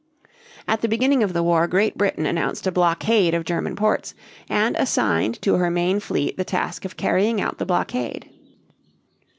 At the beginning of the war Great Britain announced a blockade of German ports and assigned to her main fleet the task of carrying out the blockade.